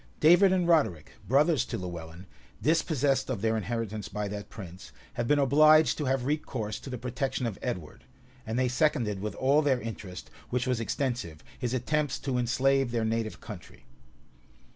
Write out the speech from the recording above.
David and Roderic, brothers to Lewellyn, dispossessed of their inheritance by that prince, had been obliged to have recourse to the protection of Edward, and they seconded with all their interest, which was extensive, his attempts to enslave their native country.